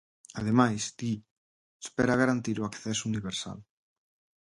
Ademais, di, espera garantir o acceso universal.